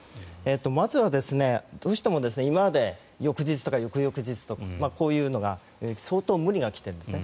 まずは、どうしても今まで翌日とか翌々日とかこういうのが相当、無理が来ているんですね。